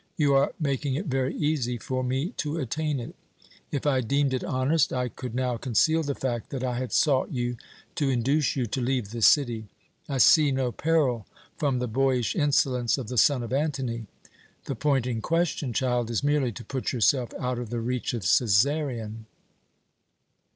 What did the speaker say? You are making it very easy for me to attain it. If I deemed it honest, I could now conceal the fact that I had sought you to induce you to leave the city. I see no peril from the boyish insolence of the son of Antony. The point in question, child, is merely to put yourself out of the reach of Cæsarion."